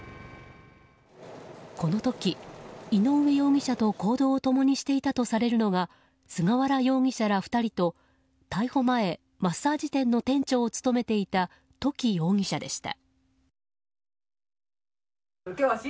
この時、井上容疑者と行動を共にしていたとされるのが菅原容疑者ら２人と逮捕前マッサージ店の店長を務めていた、土岐容疑者でした。